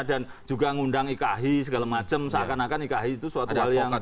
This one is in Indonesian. dan juga mengundang ikhi segala macam seakan akan ikhi itu suatu hal yang